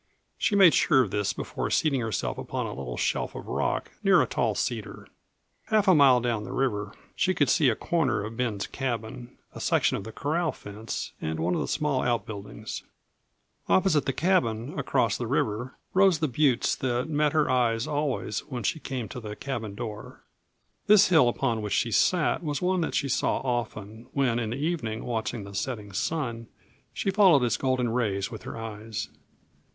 She made sure of this before seating herself upon a little shelf of rock, near a tall cedar. Half a mile down the river she could see a corner of Ben's cabin, a section of the corral fence, and one of the small outbuildings. Opposite the cabin, across the river, rose the buttes that met her eyes always when she came to the cabin door. This hill upon which she sat was one that she saw often, when in the evening, watching the setting sun, she followed its golden rays with her eyes.